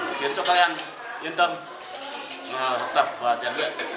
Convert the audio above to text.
giúp đỡ ăn cho các em kiến cho các em yên tâm học tập và giả luyện